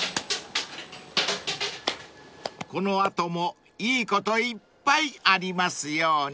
［この後もいいこといっぱいありますように］